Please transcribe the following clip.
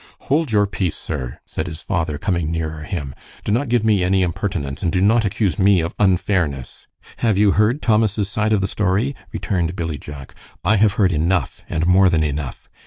"Hold your peace, sir!" said his father, coming nearer him. "Do not give me any impertinence, and do not accuse me of unfairness." "Have you heard Thomas's side of the story?" returned Billy Jack. "I have heard enough, and more than enough."